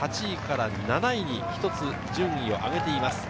８位から７位に１つ順位を上げています。